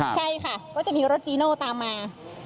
ใช่ค่ะก็จะมีรถจีโน่ตามมา